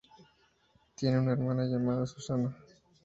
Tiene una hermana llamada Susanna.